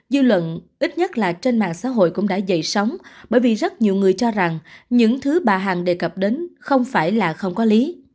dư luận ít nhất là trên mạng xã hội cũng đã dạy sóng bởi vì rất nhiều người cho rằng những thứ bà hằng đề cập đến không phải là không có lý